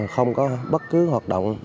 không có bất cứ hoạt động